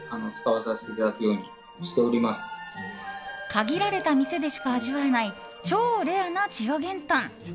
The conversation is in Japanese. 限られた店でしか味わえない超レアな千代幻豚。